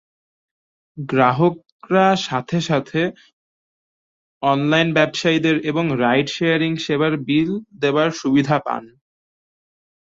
গ্রাহকরা সাথে সাথে অনলাইন ব্যবসায়ীদের এবং রাইড শেয়ারিং সেবার বিল দেবার সুবিধা পান।